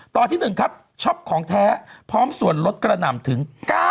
ต่อที่๑ครับช็อปของแท้พร้อมส่วนลดกระหน่ำถึง